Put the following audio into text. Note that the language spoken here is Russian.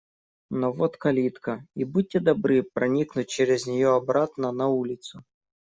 Но вот калитка. И будьте добры проникнуть через нее обратно на улицу.